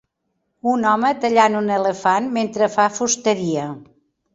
Un home tallant un elefant mentre fa fusteria